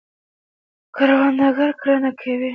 کروندګر کرنه کوي.